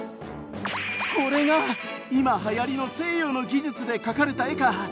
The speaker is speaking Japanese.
これが今はやりの西洋の技術で描かれた絵か！